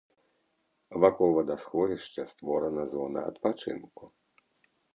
Вакол вадасховішча створана зона адпачынку.